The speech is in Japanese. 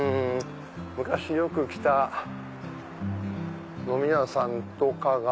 昔よく来た飲み屋さんとかが。